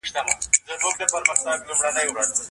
رابعه ګل په صالون کې څه کول؟